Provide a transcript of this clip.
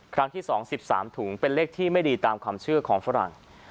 ครั้งที่๒๓ถุงเป็นเลขที่ไม่ดีตามความเชื่อของฝรั่ง